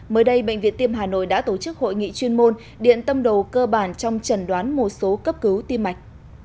mới đây bệnh viện tim hà nội đã tổ chức hội nghị chuyên môn điện tâm đồ cơ bản trong trần đoán một số cấp cứu tim mạch